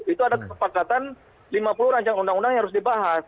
itu ada kesepakatan lima puluh rancang undang undang yang harus dibahas